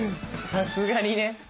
さすがにね。